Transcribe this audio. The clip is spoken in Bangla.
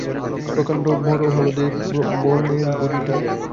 প্রকাণ্ড বড় হলদে বঙের বুড়িটা।